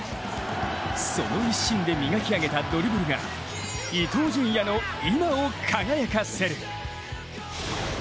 その一心で磨き上げたドリブルが、伊東純也の今を輝かせる。